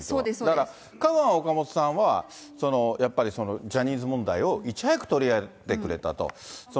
だからカウアン・オカモトさんは、やっぱりジャニーズ問題をいち早く取り上げてくれたと。